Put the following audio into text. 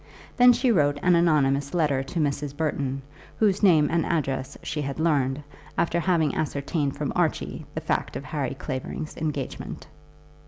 Then she wrote an anonymous letter to Mrs. Burton, whose name and address she had learned, after having ascertained from Archie the fact of Harry Clavering's engagement.